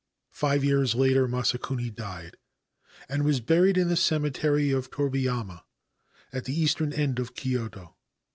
Five years later Masakuni died, and was buried in the cemetery of Toribeyama, at the eastern end of Kyoto.